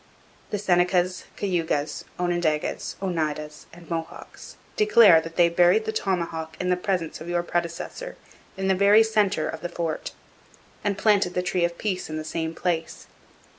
'The Senecas, Cayugas, Onondagas, Oneidas, and Mohawks declare that they buried the tomahawk in the presence of your predecessor, in the very centre of the fort, and planted the Tree of Peace in the same place.